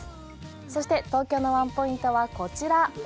そして東京のワンポイントはこちら。